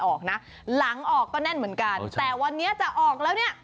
ออกนะหลังออกก็แน่นเหมือนกันแต่วันนี้จะออกแล้วเนี่ย